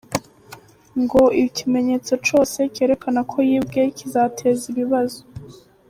Ngo ikimenyetso cyose kerekana ko yibwe kizateza ibibazo.